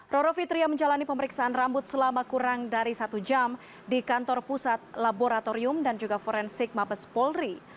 roro fitria menjalani pemeriksaan rambut selama kurang dari satu jam di kantor pusat laboratorium dan juga forensik mabes polri